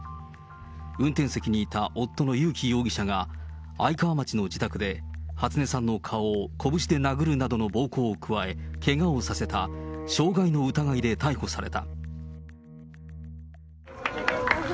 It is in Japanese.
運転席にいた夫の裕樹容疑者が、愛川町の自宅で、初音さんの顔を拳で殴るなどの暴行を加え、けがをさせた傷害の疑いで逮捕された。